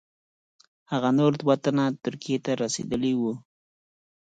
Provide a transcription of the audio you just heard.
هغه نور دوه تنه ترکیې ته رسېدلي وه.